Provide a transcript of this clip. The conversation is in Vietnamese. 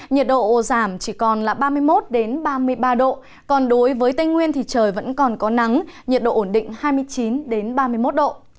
nhiệt độ giảm chỉ còn là ba mươi một ba mươi ba độ còn đối với tây nguyên thì trời vẫn còn có nắng nhiệt độ ổn định hai mươi chín ba mươi một độ